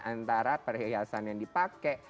antara perhiasan yang dipakai